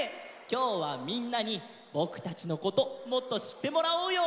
きょうはみんなにぼくたちのこともっとしってもらおうよ。